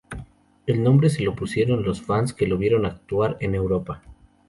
El nombre se lo pusieron los fans que lo vieron actuar en Europa.